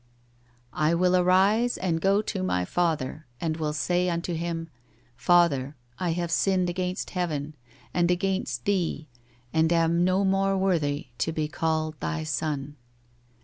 'I will arise and go to my Father, and will say unto him, Father, I have sinned against Heaven, and against Thee, and am no more worthy to be called Thy son.'